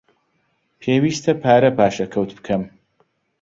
پێویستە پارە پاشەکەوت بکەم.